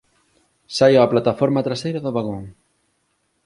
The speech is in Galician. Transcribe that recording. Saio á plataforma traseira do vagón.